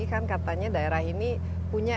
kan katanya daerah ini punya